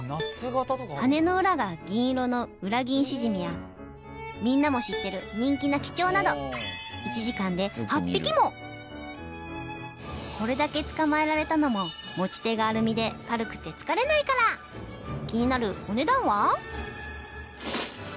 羽根の裏が銀色のウラギンシジミやみんなも知ってる人気なキチョウなどこれだけ捕まえられたのも持ち手がアルミで軽くて疲れないから気になるお値段は？